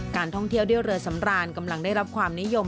การท่องเที่ยวด้วยเรือสำรานกำลังได้รับความนิยม